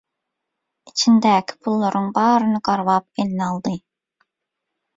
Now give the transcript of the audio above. Içindäki pullaryň baryny garbap eline aldy.